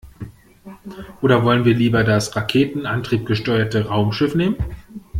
Oder wollen wir lieber das raketenantriebgesteuerte Raumschiff nehmen?